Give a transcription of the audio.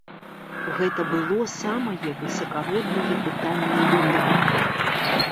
Гэты было самае высакароднае пытанне дня.